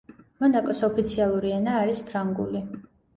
მონაკოს ოფიციალური ენა არის ფრანგული.